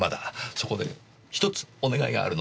そこで１つお願いがあるのですが？